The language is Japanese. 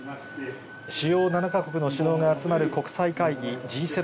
主要７か国の首脳が集まる国際会議、Ｇ７。